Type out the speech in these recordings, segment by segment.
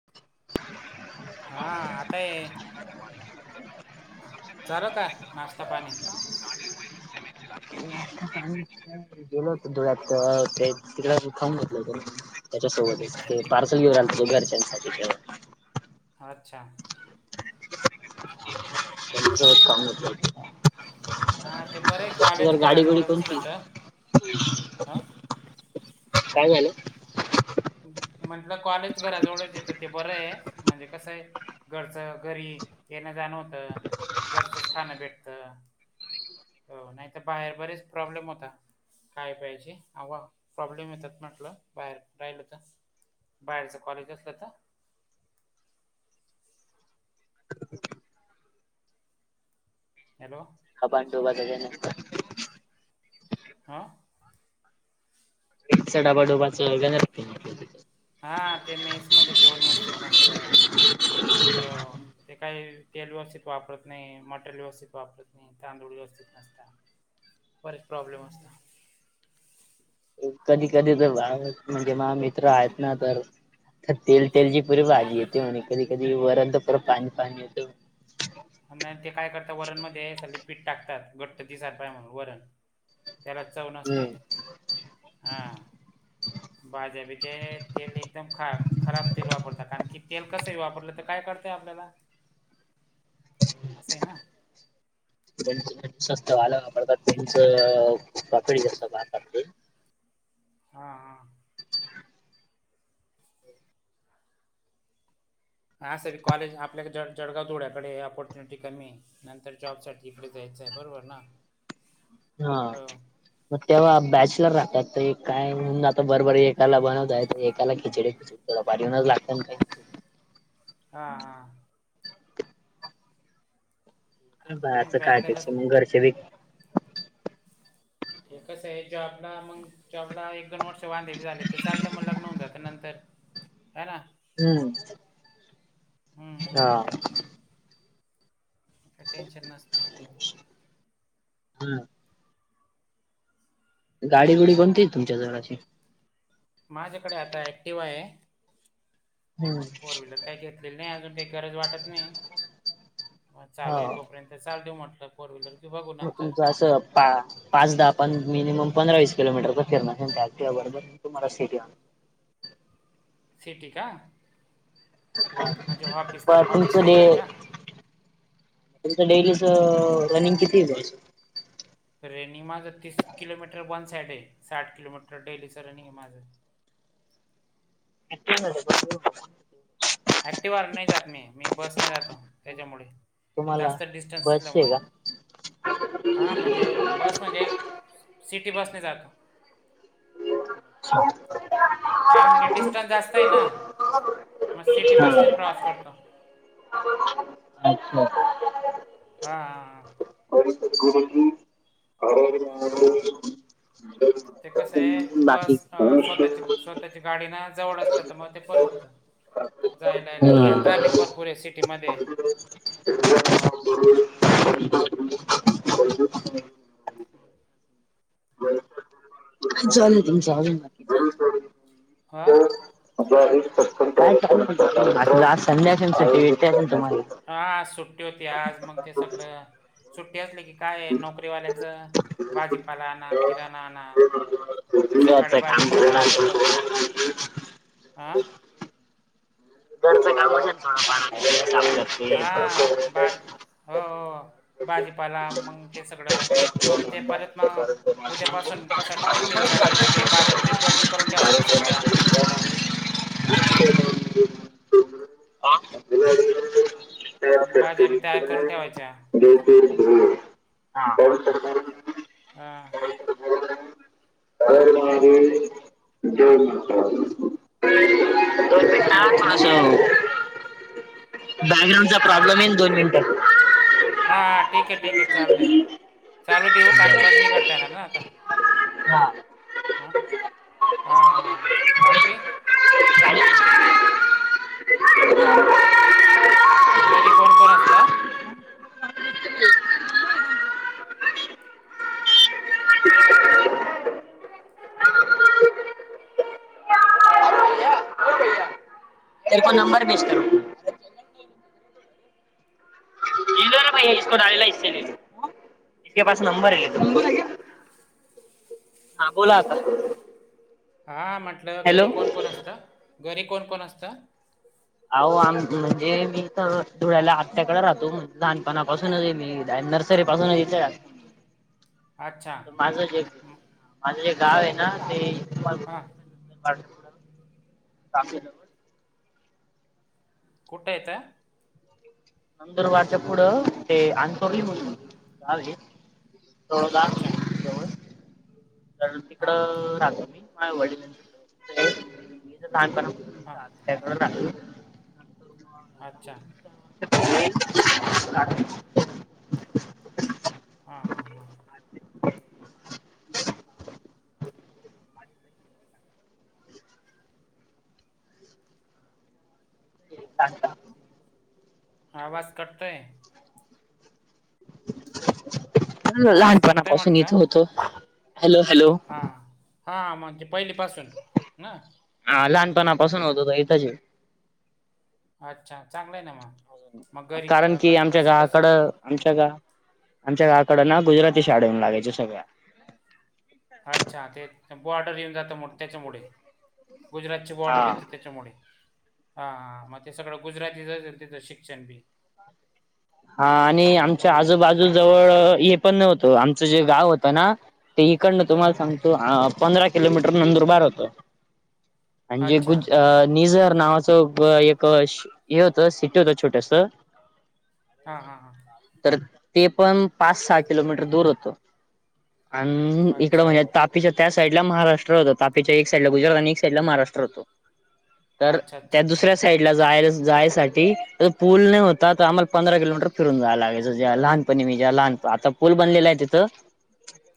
[inaudible] हा आता हे झाल का नाश्ता पाणी? [unintelligible] गेल होतो धूळ्यातं, ते तिकडं खाऊन घेतलं होतं मी. त्याच्यासोबतच अच्छा ते तिकडे पार्सल घेऊन हां आलते घरच्यांसाठी तेव्हा आच्छा त्यांच्या सोबत काम होतं [unintelligible] हा, ते बरं आहे, त्याची जर कॉलेज करा गाडी बिडी जवळच कोणती असलं तर, हा काय झालं? म्हंटल कॉलेज करा, जवळच हाय त ते बरं आहे, म्हणजे कसं आहे घरचं घरी येणं जाणं होतं, घरचच खाणं भेटत. हो नाही त पाहे बरेच प्रॉब्लेम होता खायप्यायचे अव प्रॉब्लेम येतात म्हटलं, बाहेर राहिलं तर बाहेरचं कॉलेज असलं त हॅलो खपाट टोबात [unintelligible] नुसतं हां एकचा डबा डोबाचं [unintelligible] हा, ते मेसमध्ये जेवण व्यवस्थित नसतं हो, ते काही तेल व्यवस्थित वापरत नाही, मटेरियल व्यवस्थित वापरत नाही तांदूळ व्यवस्थित नसता, बरेच प्रॉब्लेम असता कधी कधी तर [unintelligible] म्हणजे महा मित्र आहेत ना तर तर तेल तेलची पुरी भारी येते म्हणे, कधी- कधी वरण तर पुरं पाणी - पाणी येतं हो म अन ते काय करता वरणमध्ये सगळे पीठ टाकतात घट्ट दिसाय पाहिजे म्हणून वरण त्याला चव नसते, हम्म हा [inaudible] भाज्याबी ते तेल एकदम ख खराब तेल वापरतात, आणकी तेल कसही वापरलं तर काय कळते आपल्याला असं आहे ना? सस्त वालं वापरतात त्यांच [unintelligible] पाणी टाकतोय हा, आ हा सर कॉलेज आपल्या जर्जगाव धूळ्याकडे आहे ऑपॉर्च्युनिटी कमी आहे. नंतर जॉब साठी, इकडेच यायचं आहे, बरोबर ना? हा हो. म तेंव्हा बॅचलर राहतात ते काय म्हणून आता, बरोबर एकाला बनवतायत एकाला खिचडी थोडं बाजूनंच लागत ना काही? हा, हा म्हणून नाही बाहेरच काय ते बॅचलरच [unintelligible] घरचे बी ते कसंय जॉबला मग जॉबला एक दोन वर्ष वांदे झाले तर चालतं, मग लग्न होऊन जातं नंतर है ना? हम्म हम्म- हम्म, काय टेन्शन नसतं हम्म गाडी गुडी कोणती तुमच्या जराशी? माझ्याकडे आता ऍक्टिवा आहे हम्म फोरव्हिलहर काही घेतलेली नाही, अजून काही गरज वाटत नाही, म हो चालू आहे तोर्यंत ते चालतोय मोठ्ठ फोरव्हीलर तुमचं असं पा पाच दहा पण मिनिमम पंधरा वीस किलोमीटरच फिरण पण चालत्या तुह्या बरोबर, तुम्हाला सिट या सिटी का? म्हणजे ऑफिस प ऑफिस तुमचं ते डे. घर का तुमचं डेलीच रनिंग किती जात? रेनिंग माझं तीस किलोमीटर वन साईड आहे साठ किलोमीटर डेलीचं रनिंग आहे माझं. ऍक्टिवा हाय तर बर पडत. ऍक्टिवान नाही जात मी मी बसनी जातो त्याच्यामुळे. तुम्हाला जास्त डिस्टन्स बस आहे असल्यामुळे, का हा म्हणजे बस म्हणजे. सिटी बसने जातो. कारण की डिस्टन्स जास्त [unintelligible] आहे ना, मग सिटी बसने प्रवास करतो. [unintelligible] अच्छा. हा हा हा. [unintelligible] ते कसं आहे बस हम्म. स्वतःची स्वतःची गाडी ना जवळ असल्या तर मग ते. परवडत, जायला यायला ट्राफिक भरपूर हाय सिटी मध्ये. [inaudible] आणि तचा हजून चालुये. हा? [unintelligible] हा सुट्टी होती, आज मग ते सगळं सुट्टी असली की काय नोकरीवाल्याचं. भाजीपाला आणा किराणा आण. मग ते सकाळी घरचं काम भाजीपाल्याला थोडं गेलो हा? [unintelligible] हा बा, हो हो, करते थोडं बाजीपाला मग ते सगळं. प ते परत मग, उद्यापासून कस टिफिन साठी मग ते. भाज्या प्रीपेड बी करून ठेवायच्या सगळ्या. [inaudible] बाज्या बी तयार करून ठेवायच्या. [unintelligible] हा [unintelligible] [unintelligible] तपे का थोडासा. बॅकग्राऊंड चा हा प्रॉब्लेम हा हाय ना दोन मिनिट. हा ठीके ठीके, चालतंय. चालू दे येऊ कारण, बंद नाही करता येणार ना आता. हाँ ह? हा हा, हा हा, बाकी? [unintelligible] घरी कोण कोण असतं? [inaudible] तर को नंबर बेच करू. [unintelligible] [inaudible] हा बोला आता. हा म्हटलं हॅलो घरी कोण कोण असत? घरी कोण कोण असत? अहो आम म्हणजे मी तर धुळ्याला आत्याकडे राहतो लहानपणापासूनच मीर सर पासून येत अच्छा [unintelligible] माझं जे म- माझं जे गाव आहे ना ते तुम हा ां [unintelligible] कुठे येतंय. नंदुरबारच्या पुढं ते आणंतोली म्हणून गावे. अच्छा. तर तिकड हां हां हां राहतो मी मला वडील नाहीत लहानपणा पासून. हां त्या [unintelligible] अच्छा. [inaudible] हा हा हा. साचा - आवाज कटतोय. आवाज कटतोय लहानपणापासून म्हटलं इथं होतो हॅलो हॅलो. हा म्हणजे पहिलीपासून ना. आ लहानपणापासून होता तो हितच आहे. अच्छा चांगलं आहे ना मग. मग घरी कारण अ, की कस आमच्या कसं कसं गावाकडं आमच्या गा- आमच्या गावाकडं ना गुजराती शाडन लागायचे सगळ्या. अच्छा ते त- बोर्डात येऊन जातं मग त्याच्यामुळे. गुजरातची बॉर्डर हा. येते त्याच्यामुळे. हा ह मग ते सगळं गुजरातीचं असेल तिचं शिक्षण बी. हा आणि मग आमच्या बरं आजूबाजू जवळ हे पण नव्हतं आमचं जे गाव होत ना. ते इकडनं हां तुम्हाला हां सांगतो पंधरा किलोमीटर नंदुरबार होतं. आणि जे अच्छा गुज- अ निझर नावाचं एक हे होतं सिट होत छोटंसं. हा हा हा. तर ते पण पाच सहा किलोमीटर दूर होत आणि इकड अच्छा म्हणजे सात- तापीच्या त्या साईटला महाराष्ट्र होतं. तापीचा एक साईटला गुजरात आणि एक साईटला महाराष्ट्र होतं. तर अच्छा अच्छा त्या अच्छा दुसऱ्या साईडला जायला जायसाठी पूल ते नाही होता तर आम्हाला पंधरा किलोमीटर फिरून जायला लागायचं जेव्हा लहानपणी मी जेव्हा लहानपण -आता पूल बनलेला आहे तिथं.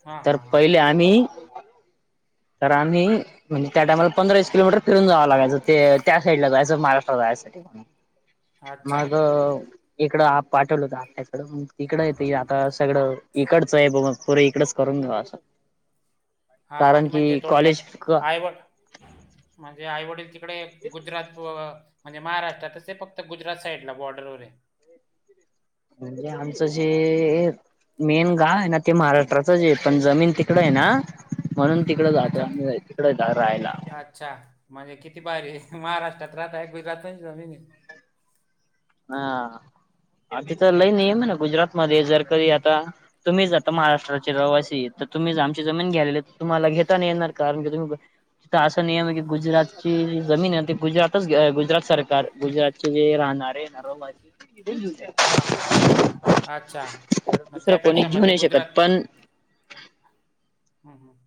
हां तर हां हां पहिले आम्ही तर आम्ही- म्हणजे त्या टाईमाला पंधराशे किलोमीटर फिरून जावं लागायचं त्या साइड ला जायचं महाराष्ट्रला जायसाठी. अच्छा माग इकडं आप पाठवलं होत आपल्याकड मग तिकडं येत आता सगळं. इकडचं आहे बाबा म्हणून पोरं इकडेच करून राहतात. हा आणि म्हणजे थोडक्यात कॉलेज आई वडील- म्हणजे आईवडील तिकडे गुजरात आणि महाराष्ट्रातच फक्त गुजरात साइडला बॉर्डरवर आहे. म्हणजे आमचं जे मेन गाव आहे ना ते महाराष्ट्राच आहे पण जमीन तिकडे आहे ना. म्हणून तिकडं जातो अच्छा, आम्ही तिकडं राहायला. अच्छा. म्हणजे किती? भारीय महाराष्ट्रात राहतय गुजरात पण जमीन. हा आणि तिथं लय अच्छा. नियम आहे गुजरात मध्ये जर कधी आता- तुम्हीच आता महाराष्ट्र चे रहिवासी आहेत तर आमची जमीन घ्यायला तुम्हाला घेता नाही येणार कारण की तुम्ही- तिथं असा नियम आहे की गुजरातचीी जमीन आहे ते गुजरातच गुजरात सरकार गुजरातचे जे राहणारे- [unintelligible] हां अच्छा मग दुसरं कोणी त्यापेक्षा घेऊ म ते नाही शकत गुजरात- पण हम् हम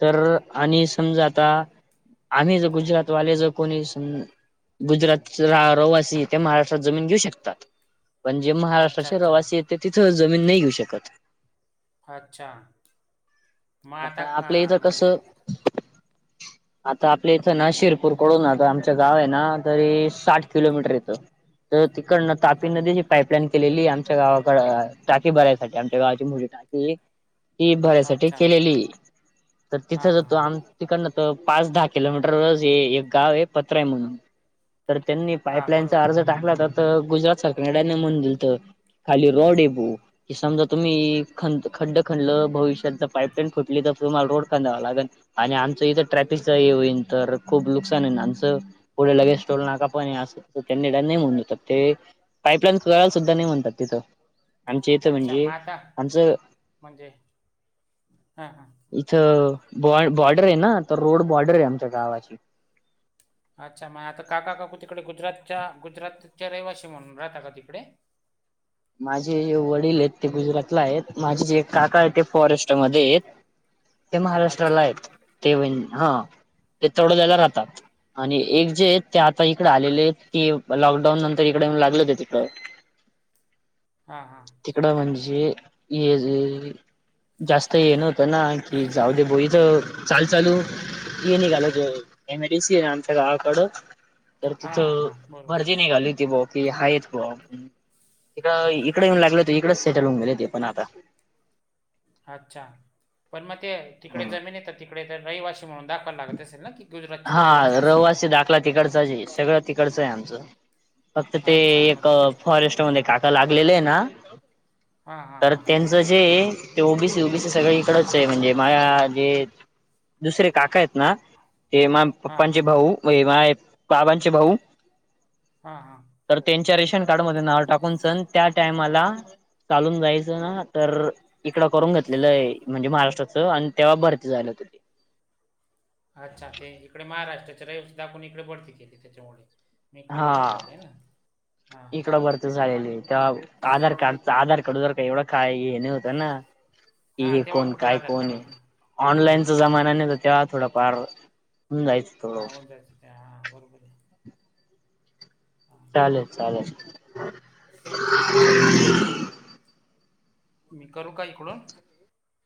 तर आणि समजा आता आम्ही जर गुजरातवाले जर कोणी स- गुजरातच -रहवासी ते महाराष्ट्रात जमीन घेऊ शकतात. पण जे अच्छा, महाराष्ट्राचे अच्छा. रहिवासी आहे ते तिथं जमीन नाही घेऊ शकत. अच्छा. मग आता आपल्या हितं अ, म्हणजे कसं. आपल्या इथं ना शिरपूर कडून आता आमच गाव आहे ना तरी साठ किलोमीटर येतं. तर तिकडन अ, तापी नदी ची पाईपलाईन केलेली आमच्या गावाकडे टाकी भरायसाठी आमच्या गावाची मुठी टाकी- ही भरायसाठी अच्छा. केलेली आहे तर हां, तिथं हां, जातो हां. आम- तिकडनं त- पाच, दहा किलोमीटर गाव आहे पत्रय म्हणून. तर त्यांनी हां, पाईपलाईनचा बरोबर. अर्ज टाकला तर तर गुजरात सरकार न मंजूर केलंत. खाली रोड आहे भाऊ समजा तुम्ही खड्डा खांदला भविष्यात जर- पाईपलाईन फुटले तर तुम्हाला रोड खांदावा लागल. आणि आमचं इथं ट्रॅफिकच हे होईल तर खूप नुकसान होईल आमचं. पुढे लगेच टोल नाका पण असं त्यांनी नाही म्हटलं तर ते- पाईपलाईन सुद्धा नाही तिथं आमच इथं अच्छा मग म्हणजे आता आमचं- म्हणजे हा हा. इथं बॉ बॉर्डर आहे ना तर रोड बॉर्डर आहे आमच्या गावाची. अच्छा मग आता काका काकू तिकडे गुजरातच्या गुजरातच्या रहिवाशी म्हणून राहता का? तिकडे माझे जे वडील आहेत ते गुजरातला आहेत माझे जे काका आहेत ते फॉरेस्टमध्ये आहेत. ते महाराष्ट्राला अच्छा. आहेत ते हा ते तडोद्याला राहतात. आणि एक जे ते आता इकड आलेले आहेत ते लॉकडाऊन नंतर इकडे येऊन लागलेच आहेत. हा हा. तिकडं म्हणजे जास्त हे नव्हतं ना जाऊ बोईत- चालू चालू इ नाहीघाल एम. आय. डीसी आहे ना आमच्या गावाकडो. तर हां, हां, तिथं हां. बरोबर. भरजी नाहीघाली होतीी ब की हायच ब तिक इकडे येऊ लागले तर इकडे सेटल झाले ते आता. अच्छा पण मग ते तिकडे जमीन येत तिकडे तर रहिवाशी- म्हणून दावाय लागत असेल ना की गुजरातचे रहिवाशी हा आहेत असा. रहिवासी दाखला तिकडचा आहेे सगळं तिकडचं आहे आमचं. फक्त ते अच्छा. एक मग तिकडे फॉरेस्ट मध्ये काका लागलेले ना हां, हां, तर हां. त्यां- चं जे ते ओबीसी, ओबीसी सगळी इकडच आहे म्हणजे माझे जे- दुसरे काका आहेत ना. म्हणजे माझ्या हां, पप्पांचे हां. भाऊ माझ्या बाबांचे भाऊ. हा हा. तर त्यांच्या रेशन कार्ड मध्ये नाव टाकून सल त्या टायमाला चालून जायचं ना तर इकडं करून घेतलेलं आहे म्हणजे महाराष्ट्राचं आणि तेव्हा भरती झालेत. अच्छा ते इकडे महाराष्ट्राच्या रहिवस दाखवून इकडे भरती केली त्याच्यामुळे. इकडे भरती हा झाली आहे ना हां. इकडं भरती झालेली तर आधार कार्ड, आधार कार्ड, जर का एवढं का? हे नाही होतं ना. की हां, हे तेव्हा कोण? कुठं काय आधार कोण? कार्ड होतं. आहे ऑनलाईनचा हां, जमाना हां. नाही त्या थोडा फार जायचं. हा थोडं हो जायचं ते हा बरोबर आहे. हां, चालेल चालेल. ठीक आहे चालतंय. मी करू का? इकडून.